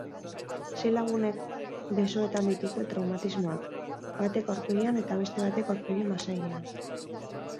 Sei lagunek besoetan dituzte traumatismoak, batek aurpegian eta beste batek aurpegi-masailean.